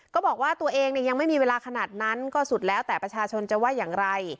ก็บอกว่าตัวเองยังไม่มีเวลาขนาดนั้นก็สุดแล้วแต่ประชาชนจะว่าอย่างไร